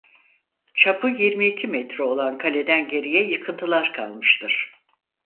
Çapı yirmi iki metre olan kaleden geriye yıkıntılar kalmıştır.